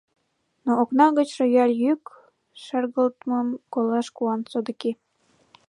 — Но окна гыч рояль йӱк шергылтмым колаш куан, содыки.